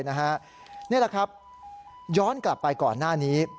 นี่แหละครับย้อนกลับไปก่อนหน้านี้